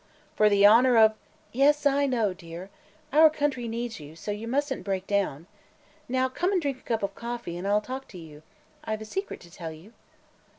"For the honor of " "Yes, I know, dear. Our country needs you, so you mustn't break down. Now come and drink a cup of coffee and I'll talk to you. I've a secret to tell you."